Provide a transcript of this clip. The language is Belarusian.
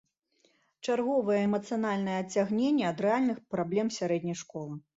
Чарговае эмацыянальны адцягненне ад рэальных праблем сярэдняй школы.